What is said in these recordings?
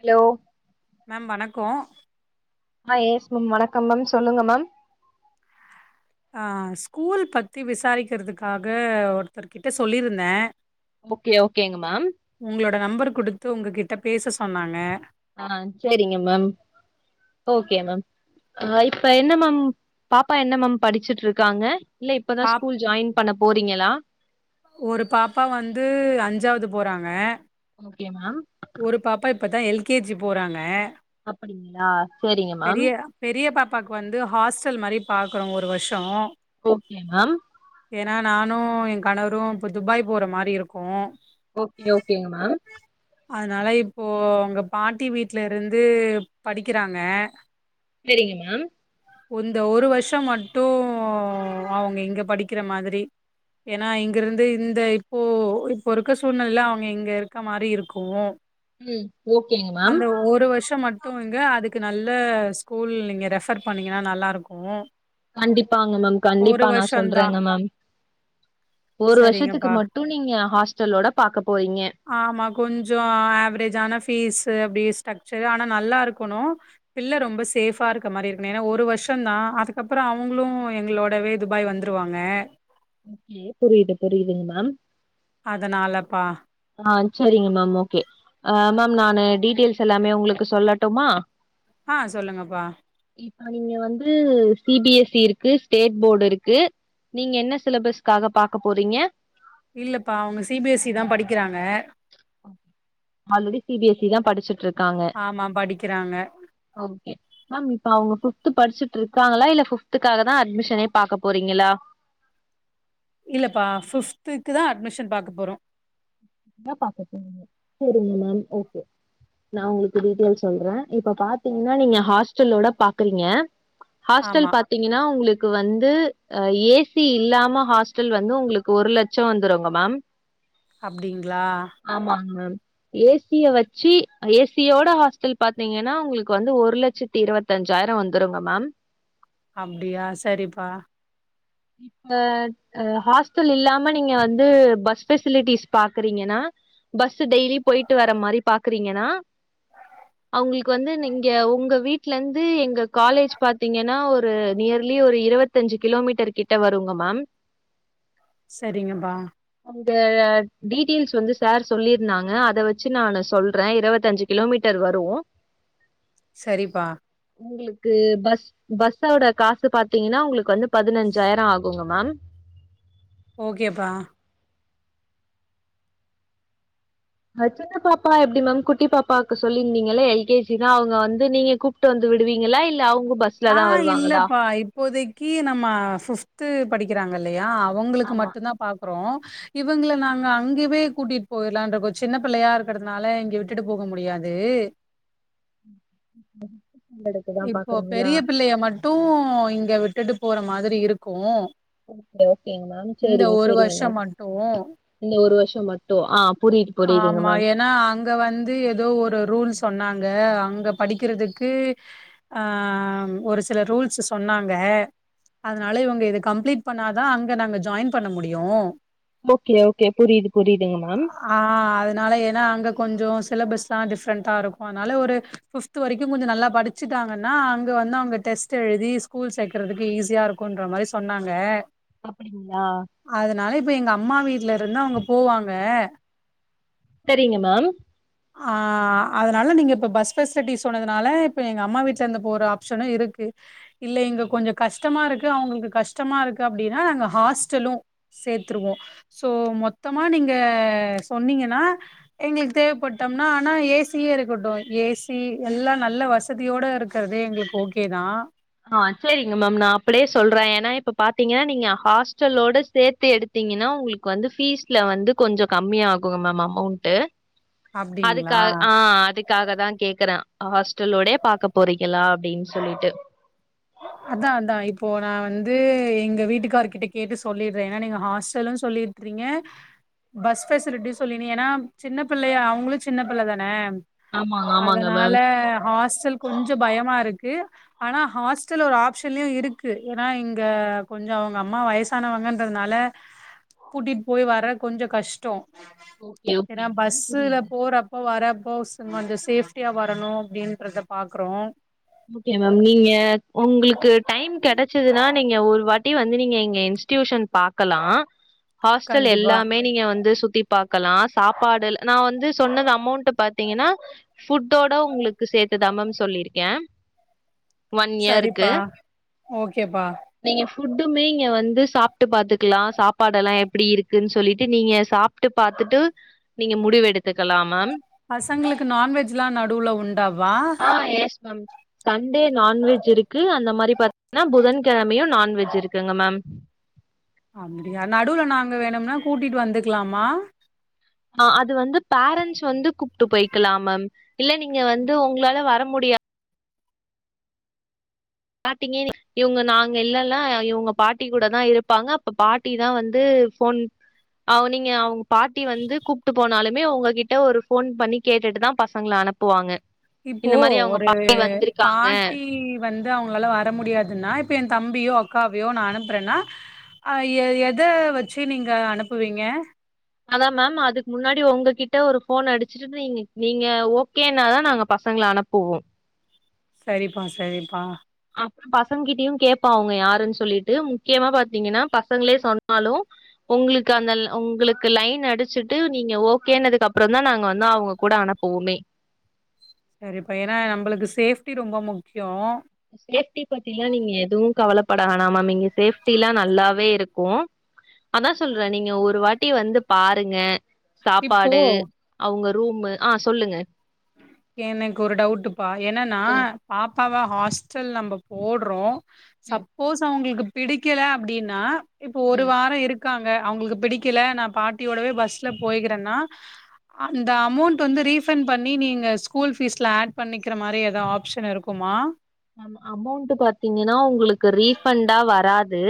Hello ma'am வணக்கோ ஆ yes ma'am வணக்கம் மேம் சொல்லுங்க மேம் ஆ ஸ்கூல் பத்தி விசாரிக்கிறதுக்காக ஒருத்தர்கர்கிட்ட சொல்லியிருந்த ஓகே ஓகேங்க மேம் உங்களோட நம்பர் குடுத்து உங்ககிட்ட பேச சொன்னாங்க ஆ செரிங்க மேம் ஓகே மேம் அ இப்ப என்ன மேம் பாப்பா என்ன மேம் படிச்சிட்ருக்காங்க இல்ல இப்ப தா பாப் ஸ்கூல் ஜாயின் பண்ண போறீங்களா ஒரு பாப்பா வந்து அஞ்சாவது போறாங்க ஓகே மேம் ஒரு பாப்பா இப்ப தா எல் கே ஜி போறாங்க அப்படிங்களா செரிங்க மேம் பெரிய பெரிய பாப்பாக்கு வந்து ஹாஸ்டல் மாரி பாக்கறோ ஒரு வர்ஷோ ஓகே மேம் ஏனா நானு என் கணவரு இப்ப துபாய் போற மாரி இருக்கு ஓகே ஓகேங்க மேம் அதுனால இப்போ அவங்க பாட்டி வீட்ல இருந்து படிக்கிறாங்க சரிங்க மேம் உந்த ஒரு வர்ஷோ மட்டு அவங்க இங்க படிக்கிற மாதிரி ஏனா இங்கருந்து இந்த இப்போ இப்போ இருக்க சூழ்நில அவங்க இங்க மாரி இருக் கு ம் ஓகேங்க மேம் அந்த ஒரு வர்ஷோ மட் டு இங்க அதுக்கு நல்ல ஸ்கூல் நீங்க ரெஃபர் பண்ணீங்கன்னா நல்லாருக்கு கண்டிப்பாங்க மேம் ஒரு கண்டிப்பா நா வருஷந்தா சொல்றேங்க மேம் ஒரு வர்ஷத்துக்கு சரிங்கப்பா மட்டு நீங்க ஹாஸ்டலோட பாக்க போறீங்க ஆமா கொஞ்சோ ஆவரேஜான ஃபீஸ்சு பேஸ் ஸ்ட்ரக்சர்ரு ஆனா நல்லா இருக்கணு பிள்ள ரொம்ப சேஃபா இருக்க மாரி இருக்கணு ஏனா ஒரு வர்ஷோ தா அதுக்கப்பறோ அவங்களு எங்களோடவே துபாய் வந்துருவாங்க ஓகே புரியிது புரியிதுங்க மேம் அதனாலப்பா ஆ சரிங்க மேம் ஓகே ஆ மேம் நானு டீட்டெயில்ஸ் எல்லாமே உங்களுக்கு சொல்லட்டுமா ஆ சொல்லுங்கப்பா இப்ப நீங்க வந்து சி பி எஸ் இ இருக்கு ஸ்டேட் போர்டு இருக்கு நீங்க என்ன சிலபஸ்க்காக பாக்க போறீங்க இல்லப்பா அவங்க சிபிஎஸ்சி தா படிக்கிறாங்க already C B S C தா படிச்சுட்ருக்காங்க ஆமா படிக்கிறாங்க ஓகே மேம் இப்ப அவங்க ஃபிப்த்து படிச்சிட்ருக்காங்களா இல்ல ஃபிப்துக்காக தா அட்மிஷனே பாக்க போறீங்களா இல்லப்பா ஃபிப்த்துக்கு தா அட்மிஷன் பக்க பாக்க போறோ என்ன பாக்க போனிங்க சரிங்க மேம் ஓகே நா உங்களுக்கு டீட்டெயல்ஸ் சொல்றேன் இப்ப பாத்தீங்கன்னா நீங்க ஹாஸ்டல்லோட பாக்குறீங்க ஹாஸ்டல் ஆமா பாத் பாத்திங்கன்னா உங்களுக்கு வந்து அ ஏசி இல்லாம ஹாஸ்டல் வந்து உங்களுக்கு ஒரு லட்சொ வந்துருங்க மேம் அப்டிங்ளா ஆமாங் மேம் ஏசிய வச்சி ஏசியோட ஹாஸ்டல் பாத்தீங்கன்னா உங்களுக்கு வந்து ஒரு லட்சத் தி இருவத்தஞ்சாயிரம் வந்துருங்க மேம் அப்டியா சரிப்பா இப்ப அ ஹாஸ்டல் இல்லாம நீங்க வந்து பஸ் ஃபெசிலிட்டிஸ் பாக்குறீங்கன்னா பஸ்ஸு டெய்லி போயிட்டு வர மாரி பாக்குறீங்கன்னா ஹா அவுங்களுக்கு வந்து நீங்க ஒங்க வீட்லர்ந்து எங்க காலேஜ் பாத்தீங்கன்னா ஒரு நியர்லி ஒரு இருவத் தஞ்சு கிலோமீட்டர் கிட்ட வருங்க மேம் சரிங்கப்பா அந்த டீட்டெயில்ஸ் வந்து சார் சொல்லியிருந்தாங்க அத வச்சு நானு சொல்றே இரவத்தஞ்சு கிலோமீட்டர் வரு சரிப்பா உங்குளுக்கு பஸ் பஸ்ஸவிட காசு பாத்தீங்கன்னா உங்குளுக்கு வந்து பதினஞ்சு ஜாயரொ ஆகுங்க மேம் ஓகேபா ஹ சின்ன பாப்பா எப்டி மேம் குட்டி பாப்பாவுக்கு சொல்லிருந்தீங்கள எல் கே ஜி தா அவுங்க வந்து நீங்க கூப் ட்டு வந்து விடுவீங்களா இல்ல அவுங்க பஸ் ஆ இல்லப்பா இப்போதைக்கி நம்ம ஃபிப்து படிக்கிறாங்க இல்லையா அவு வுங்குளுக்கு ஆமா. மட்டுந்தா பாக்குறோ இவுங்கள நாங்க அங்கவே கூட்டிட்டு போய்லான்ர்க்கோ சின்ன பிள்ளையா இருக்றதுனால இங்க விட்டுட்டு போக முடியாது எடுத்து தான் இப்போ பாக்குறீங்களா? பெரிய பிள்ளைய மட்டு இங்க விட்டுட்டு போற மாதிரி இருக்கோ ஓகே ஓகேங்க மேம் சேரிங்க சேரிங்க மேம் வருஷம் மட்டும் இந்த ஒரு வருஷொ மட்டு ஆ புரியுது புரியுதுங்க ஆமா மேம் ஏன்னா அங் அங்க வந்து எதோ ஒரு ரூல் சொன்னாங்க அங்க படிக்கிறதுக்கு அ ஒரு சில ரூல்ஸு சொன்னாங்க அதனால இவுங்க இது கம்ப்ளீட் பண்ணாதா அங்க நாங்க ஜாயின் பண்ண முடியு ஓகே ஓகே புரியுது புரியுதுங்க மேம் ஆ அதனால ஏனா அங்க கொஞ்சோ சிலபஸ்லா டிஃப்ரெண்ட்டா இருக்கூ அதனால ஒரு ஃபிஃப்த் வரைக்கு கொஞ்சொ நல்லா படிச் ச்சுட்டாங்கன்னா அங்க வந்து அவுங்க டெஸ்ட்டு எழுதி ஸ்கூல் சேக்கறதுக்கு ஈஸியா இருக்கூன்ற மாரி சொன்னாங்க அப்டிங்ளா அதனால இப்ப எங்கம்மா வீட்லருந்து அவுங்க போவாங்க செரிங்க மேம் ஆ அதனால நீங்க இப்போ பஸ் ஃபெசிலிட்டிஸ் சொன்னதுனால இப்ப எங்கம்மா வீட்லருந்து போற ஆப்ஷனூ இருக்கு இல்ல எங்க கொஞ்ச கஷ்டமாருக்கு அவுங்களுக்கு கஷ்டமாருக்கு அப்டின்னா நாங்க ஹாஸ்டலு சேத்தருவோ சோ மொத்தமா நீங்க சொன்னீங்கன்னா எங்களுக்கு தேவப்பட்டம்னா ஆனா ஏசியே இருக்கட்டும் ஏசி எல்லா நல்ல வச வசதியோட இருக்குறதே எங்களுக்கு ஓகே தா ஆ சரிங்க மேம் நா அப்டியே சொல்ற ஏனா இப்ப பாத்தீங்கனா நீங்க ஹாஸ்டலோட சேத்து எடுத் த்தீங்கனா உங்ளுக்கு வந்து ஃபீஸ்ல வந்து கொஞ்சோ கம்மியா ஆகுங்க மேம் அமௌண்ட்டு அதுக்கா அப்டிங்களா ஆ அது க்காக தா கேக்குற ஹாஸ்டலோடே பாக்க போறீங்களா அப்டின்னு சொல்லிட்டு அதா அதா இப்போ நா வந்து எங்க வீட்டுக்கார்கிட்ட கேட்டு சொல்லிட்ற ஏனா நீங்க ஹாஸ்டலுன்னு சொல்லி விட்றீங்க பஸ் ஃபெசிலிட்டி சொல்லி ஏனா சின்ன பிள்ளையா அவுங்களும் சின்ன பிள்ள தான ஆமாங்க ஆமாங்க அதனால மேம் ஹாஸ்டல் கொஞ்சோ பயமா இருக்கு ஆனா ஹாஸ் ட்டலு ஒரு ஆஃப்ஷன்லயு இருக்கு ஏனா இங்க கொஞ்சோ அவுங்க அம்மா வயசானவுங்கன்றதுனால கூட்டிட்டு போய் வர்ற கொஞ்சோ கஷ்டோ ஓகே ஏனா ஓகேங்க மேம் பஸ்ஸுல புரியுது போறப் போ வரப்போ கொஞ்சோ சேஃப்டியா வரணு அப்டின்றத பாக்குறோ ஓகே மேம் நீங்க உங்ளுக்கு டைம் கெடைச்சதுனா நீங்க ஒரு வாட்டி வந்து நீங்க எங்க இன்ஸ்ட்டியூஷன் பாக்கலா ஹாஸ்டல் கண்டிப்பா எல்லாமே நீங்க வந்து சுத்தி பாக்கலா சாப்பாடு நா வந்து சொன்னது அமௌண்ட்டு பாத்தீங்கனா ஃபுட்டோட உங்ளுக்கு சேத்துதா மேம் சொல்லிருக்க சரிப்பா ஓகேப்பா நீங்க ஃபுட்டுமே இங்க வந்து சாப்ட்டு பாத்துக்லா சாப்பாடுல்லா எப்டி இருக்குன்னு சொல்லிட்டு நீங்க சா ப்ட்டு பாத்துட்டு நீங்க முடிவு எடுத்துக்கலா மேம் பசங்களுக்கு நான்வெஜ்லா நடுவுல உண் டாப்பா ஆ எஸ் மேம் சண்டே நான்வெஜ் இருக்கு அந்த மாரி பாத் னா புதன் கெழமையு நான்வெஜ் இருக்குங்க மேம் அப்டியா நடுவுல நாங்க வேணும்னா கூட்டிட்டு வந்துக்லாமா அ அது வந்து பேரண்ட்ஸ் வந்து கூப்ட்டு போய்க்லா மேம் இல்ல நீங்க வந்து உங்களால வர முடியா ஸ்டாடிங்கே இவுங்க நாங்க இல்லல்ல இவுங்க பாட்டி கூட தா இருப்பாங்க அப்ப பாட் ட்டி தா வந்து ஃபோன் அவ நீங்க அவுங் பாட்டி வந்து கூப்ட்டு போனாலுமே உங்ககிட்ட ஒரு ஃபோன் பண்ணி கேட்டுட்டு தா பசங்கள அனுப் புவாங்க இப்போ ஒரு பாட்டி வந்து அவுங்களால வர முடியாதுன்னா இப்ப என் தம்பியோ அக்காவையோ நா அனுப்புறன்னா அ எத வச்சு நீங்க அனுப்புவீங்க அதான் மேம் அதுக்கு முன்னாடி உங்ககிட்ட ஒரு ஃபோன் அடிச்சு ட்டு நீங்க நீங்க ஓகேனாதான் நாங்க பசங்கள அனுப்புவோம் சரிப்பா சரிப்பா அப் பசங்க கிட்டயும் கேப்போம் அவுங்க யாருன்னு சொல்லிட்டு முக்கியமா பாத்தீங்கன்னா பசங்களே சொன்னாலும் உங்களுக்கு அந்த உங்களுக்கு லைன் அடிச்சிட்டு நீங்க ஓகேனதுக்கு அப்புறம் தான் நாங்க வந்து அவுங்க கூட அனுப்புவோமே சரிப்பா ஏன்னா நம்பளுக்கு சேஃப்டி ரொம்ப முக்கியோ சேஃப்டி பத்திலாம் நீங்க எதுவும் கவலப்பட வேனா மேம் இங்க சேஃப்டில்லாம் நல்லாவே இருக்கும் அதான் சொல்ற நீங்க ஒரு வாட்டி வந்து பாருங்க இப்போ சாப்பாடு அவுங்க ரூம்மு ஆ சொல்லுங்க எனக்கு ஒரு டவுட்டுப்பா என்னன்னா ம் பாப்பாவ ஹாஸ்டல் நம்ப போடுறோம் சப் ம் போஸ் அவுங்களுக்கு பிடிக்கல அப்டின்னா இப்போ ஒரு ம் வாரம் இருக் இருக்காங்க அவுங்களுக்கு பிடிக்கல நா பாட்டியோடவே நா பஸ்ல போய்கிறேன்னா அந்த அமௌண்ட் வந்து ரீபண் பண்ணி நீங்க ஸ்கூல் ஃபீஸ்ல ஆட் பண்ணிக்கிற மாரி ஏதும் ஆப்ஷன் இருக்குமா அம அமௌன்ட் பாத்தீங்கன்னா உங்களுக்கு ரீஃபண்டா வராது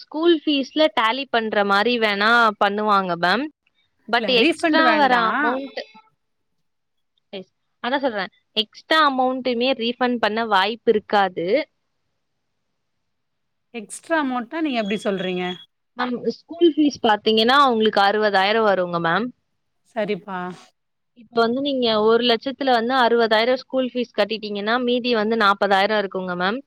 ஸ்கூல் ஃபீஸ்ல டேலி பண்ற மாரி வேணா பண்ணுவாங்க மேம் இல்ல பட் ரீஃபண்ட் எக்ஸ்ட்ரா வர வேண்டா அமௌண்ட் எஸ் அதா சொல்றேன் எக்ஸ்ட்ரா அமௌண்ட்டுமே ரீஃபண்ட் பண்ண வாய்ப்புருக்காது எக்ஸ்ட்ரா அமௌண்ட்னா நீங்க எப்டி சொல்றீங்க மேம் ஸ்கூல் ஃபீஸ் பாத்தீங்கன்னா உங்களுக்கு அறுவதாயிரம் வருங்க மேம் செரிப்பா இப்ப வந்து நீங்க ஒரு லட்சத்துல வந்து அறுவதாயிரம் ஸ்கூல் ஃபீஸ் கட்டிட்டீங்கன்னா மீதி வந்து நாப் பதாயிரம் இருக்குங்க மேம்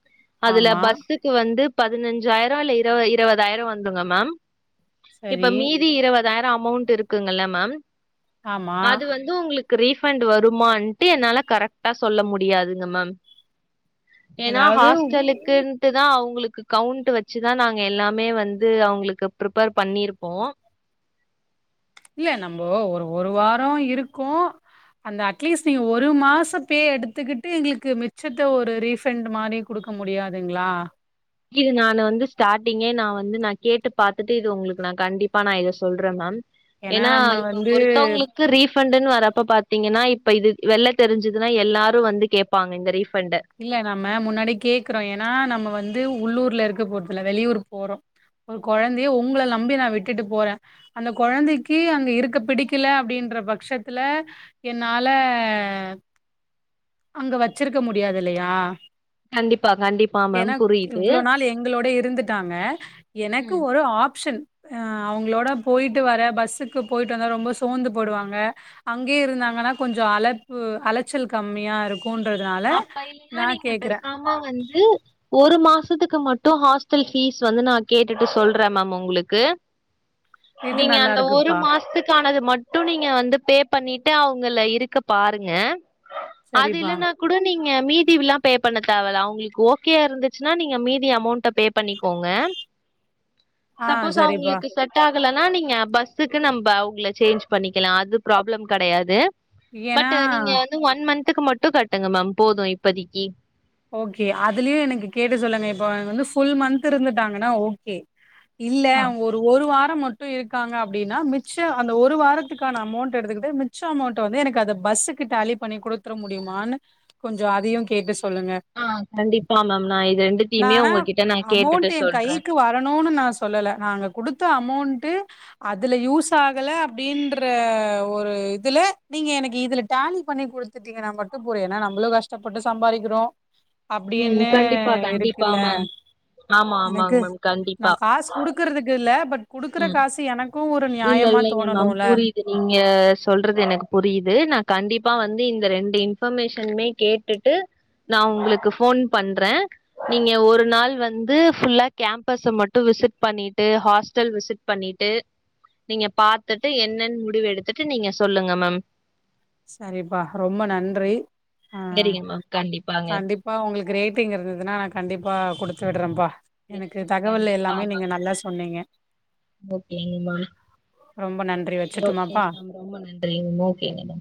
அதுல ஆமா பஸ்ஸுக்கு வந்து பதினஞ்சாயிரம் இல்ல இரு இருவதாயிரம் வந்துங்க மேம் இப்ப சரி மீதி இருவதாயிரம் அமௌண்ட்டு இருக்குங்கல்ல மேம் ஆமா அது வந்து உங்களுக்கு ரீபண்ட் வருமான்ட்டு என்னால கரெக்ட்டா சொல்ல முடியாதுங்க மேம் ஏன்னா அதாவது ஹாஸ்டலுக் ன்ட்டு தா அவுங்களுக்கு கவுண்ட் வச்சுதா நாங்க எல்லாமே வந்து அவுங்களுக்கு ப்ரிப்பேர் பண்ணிருப்போம் இல்ல நம்போ ஒரு ஒரு வாரோ இருக்கோ அந்த அட்லீஸ்ட் நீங்க ஒரு மாசம் பே எடுத்துக்கிட்டு எங்களுக்கு மிச்சத்த ஒரு ரீஃபண்ட் மாரி குடுக்க முடியாதுங்களா இது நானு வந்து ஸ்டார்டிங்கே நா வந்து நா கேட்டு பாத்துட்டு இது உங்களுக்கு நா கண்டிப்பா நா இத சொல்றே மேம் ஏன்னா நம்ம இப்ப வந்து ஒருத்தோங்களுக் கு ரீஃபண்டுன்னு வரப்ப பாத்தீங்கன்னா இப்ப இது வெள்ள தெரிஞ்சதுன்னா எல்லாரும் வந்து கேப்பாங்க இந்த ரீஃபண்ட இல்ல நாம்ம முன்னாடி கேக்குறோம் ஏன்னா நம்ம வந்து உள்ளூர்ல இருக்க போறதுல வெளியூர் போறோம் ஒரு கொழந்தைய உங்கள நம்பி நா விட்டுட்டு போறேன் அந்த கொழந்தைக்கு அங்க இருக்க பிடிக்கல அப்டின்ற பட்சத்துல என்னால அங்க வச்சிருக்க முடியாதுல்லயா கண்டிப்பாக கண் ஏனா இவ்ளோ நாள் எங்களோட இருந்துட்டாங்க எனக்கு ம் ஒரு ஆப்ஷன் ஆ அவங்களோட போயிட்டு வரே பஸ்ஸுக்கு போயிட்டு வந்தா ரொம்ப சோந்து போய்டுவாங்க அங்கே இருந்தாங்கன்னா கொஞ்சம் அலப்பு அலைச்சல் கம்மியா இருக்கும்ன்றதுனால அப்டி இல்லனா நீங்க பேசாம வந்து ஒரு மாசத்துக்கு மட்டு ஹாஸ்டல் ஃபீஸ் வந்து நா கேட்டுட்டு சொல்ற மேம் உங்ளுக்கு இது நீங்க நல்லா அந்த ஒரு இருக்குப்பா மாஸ்த்துக்கானது மட் டும் நீங்க வந்து பே பண்ணிட்டு அவுங்கல இருக்க பாருங்க அது சரிப்பா இல்லனா குடு நீங்க மீதிவிலா பே பண்ண தேவல அவுங்ளுக் ஓகேயாருந்துச்சுனா மீதி அமோண்ட பே பண்ணிக்கோங்க ஆ சப்போஸ் சரிப்பா அவுங்ளுக்கு செட் ஆகலனா நீங்க பஸ்ஸுக்கு நம்ப அவுங்களுக்கு சேஞ்ச் பண்ணிக்கலா அது ப்ராப்ளம் கெடயாது ஏன்னா பட் நீங்க வந்து ஒன் மந்த்துக்கு மட்டு கட்டுங்க மேம் போது இப்பதக்கி ஓகே அதுலயும் எனக்கு கேட்டு சொல்லுங்க இப்போ வ வந்து ஃபுல் மந்த் இருந்துட்டாங்கனா ஓகே இல்ல ஆ அவுங்க ஒரு ஒரு வார மட் டும் இருக்காங்க அப்டின்னா மிச்ச அந்த ஒரு வாரத்துக்கான அமோண்ட எடுத்துகிட்டு மிச்ச அமோண்ட வந்து எனக்கு அத பஸ்ஸுக்கு டேலி பண்ணி குடுத்திற முடியுமான்னு கொஞ்சம் அதயும் கேட்டு சொல்லுங்க ஆ கண்டிப்பா மேம் நா இது நா ரெண்டுதயுமே அவுங்கிட்ட நா கேட்டுட்டு சொல்றே பணனு நா சொல்லல நாங்க குடுத்த அமோன்ட்டு அதுல யூஸாகல அப்டின்ற ஒரு இதுல நீங்க எனக்கு இதுல டாலி பண்ணி குடுத் த்துட்டீங்கனா மட்டு போது ஏனா நம்ப்ளு கஷ்டப்பட்டு சம்பாறிக்கிறோ ம் அப்டின்னு கண்டிப்பா கண்டிப்பா இருக்குல்ல மேம் ஆமா எனக்கு ஆமாங்க மேம் நா கண்டிப்பா காஸ் குடுக்குறதுக்குல்ல பட் குடுக்குற ம் காசு எனக்கு ஒரு இல்ல நியாயமா இல்லைங்க மேம் தோணணுல புரியுது நீங்க சொல்றது எனக் புரியுது நா கண்டிப்பா வந்து இந்த ரெண்டு இன்ஃபர்மேஷன்மே கேட் டுட்டு நா உங்ளுக்கு ஃபோன் பண்றே நீங்க ஒரு நாள் வந்து ஃபுல்லா கேம்பஸ் மட்டு விசிட் பண்ணிட்டு ஹாஸ்டல் விசிட் பண்ணிட்டு நீங்க பாத்துட்டு என்னன் முடிவ் எடுத்துட்டு நீங்க சொல்லுங்க மேம் சரிபா ரொம்ப நன்றி செரிங்க மேம் கண்டிப்பாங்க பா உங்ளுக்கு ரேட்டிங் இருந்ததுனா நா கண்டிபா குடுத்து விடுறேபா எஸ் எனக்கு மேம் தகவல் கண்டிப்பா எல்லாமே நீங்க நல்லா சொன்னீங்க ஓகேங்மா ரொம்ப நன்றி உங்க கூட வச்சுட்டுமாப்பா பேசுனது ரொம்ப நன்றி ஓகேங்கமா